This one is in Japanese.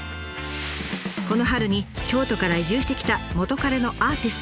この春に京都から移住してきた元カレのアーティスト。